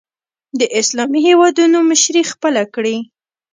د اسلامي هېوادونو مشري خپله کړي